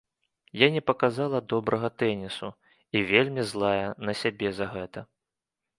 Я не паказала добрага тэнісу і вельмі злая на сябе за гэта.